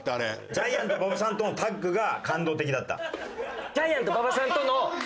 ジャイアント馬場さんとのタッグが感動的だった。